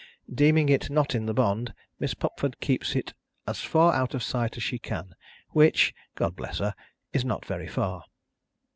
Deeming it not in the bond, Miss Pupford keeps it as far out of sight as she can which (God bless her!) is not very far.